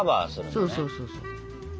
そうそうそうそう。